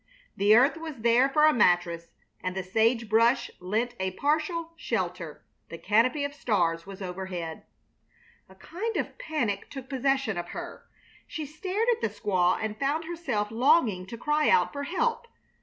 The earth was there for a mattress, and the sage brush lent a partial shelter, the canopy of stars was overhead. A kind of panic took possession of her. She stared at the squaw and found herself longing to cry out for help.